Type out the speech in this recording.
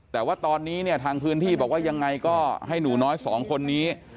แต่ว่าตอนนี้เนี่ยทางพื้นที่บอกว่ายังไงก็ให้หนูน้อยสองคนนี้